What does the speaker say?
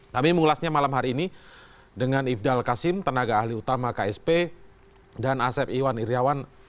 kami mengulasnya malam hari ini dengan ifdal kasim tenaga ahli utama ksp dan asep iwan iryawan